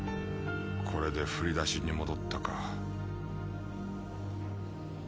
これで振り出しに戻ったか。